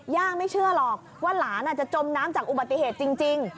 ไม่เชื่อหรอกว่าหลานอาจจะจมน้ำจากอุบัติเหตุจริง